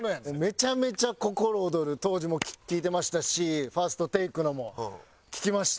めちゃめちゃ『ココロオドル』当時も聴いてましたし「ＦＩＲＳＴＴＡＫＥ」のも聴きました。